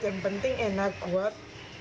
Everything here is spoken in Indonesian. yang penting enak kuat